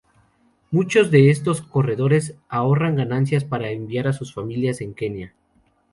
Muchos de estos corredores ahorran ganancias para enviar a sus familias en Kenia.